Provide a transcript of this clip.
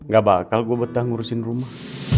gak bakal gue betah ngurusin rumah